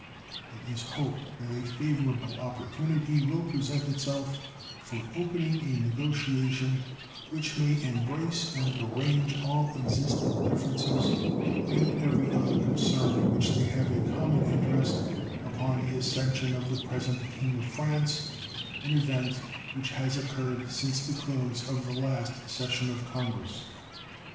It is hoped that a favorable opportunity will present itself for opening a negotiation which may embrace and arrange all existing differences and every other concern in which they have a common interest upon the accession of the present King of France, an event which has occurred since the close of the last session of Congress.